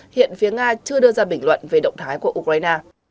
hiện phía nga chưa đưa ra bình luận về động thái của ukraine